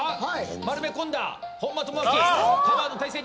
丸め込んだ、本間朋晃。